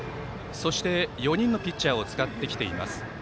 ４人のピッチャーを使ってきています。